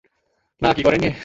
না কি করেননি?